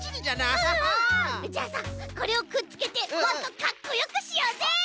じゃあさこれをくっつけてもっとかっこよくしようぜ！